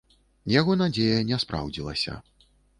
Яго надзея не спраўдзілася.